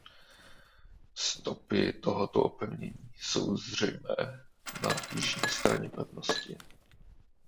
Stopy tohoto opevnění jsou zřejmé na jižní straně pevnosti.